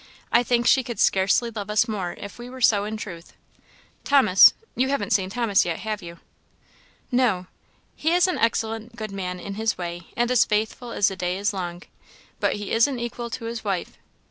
I think she could scarcely love us more if we were so in truth. Thomas you haven't seen Thomas yet, have you?" "No." "He is an excellent good man in his way, and as faithful as the day is long but he isn't equal to his wife.